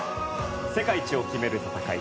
世界一を決める戦い